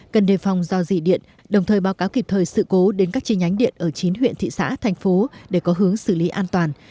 cần đề phòng do dị điện đồng thời báo cáo kịp thời sự cố đến các chi nhánh điện ở chín huyện thị xã thành phố để có hướng xử lý an toàn